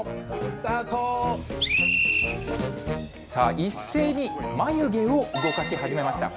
さあ、一斉に眉毛を動かし始めました。